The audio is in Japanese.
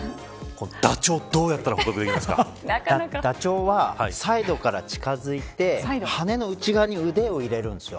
ダチョウダチョウはサイドから近づいて羽の内側に腕を入れるんですよ。